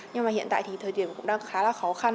nhưng mà hiện tại thì thời điểm cũng đang khá là khó khăn